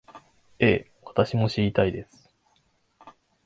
ええ、私も知りたいです